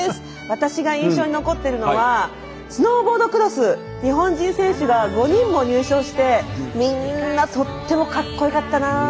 私が印象に残ってるのはスノーボードクロス日本人選手が５人も入賞してみんなとってもかっこよかったな。